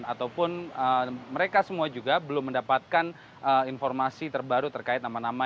ataupun mereka semua juga belum mendapatkan informasi terbaru terkait nama nama